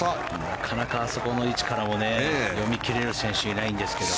なかなかあそこの位置から読み切れる選手もいないんですけど。